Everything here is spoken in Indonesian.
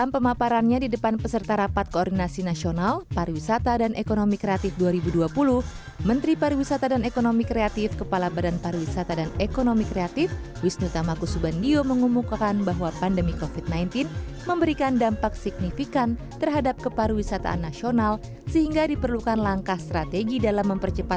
pemulihan kementerian pariwisata dan ekonomi kreatif dua ribu dua puluh